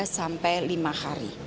sampai lima hari